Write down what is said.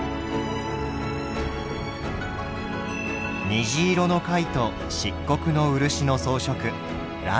虹色の貝と漆黒の漆の装飾螺鈿。